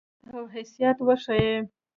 قوت او حیثیت وښيي.